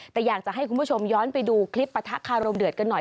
แต่อยากจะให้คุณผู้ชมย้อนไปดูคลิปปะทะคารมเดือดกันหน่อย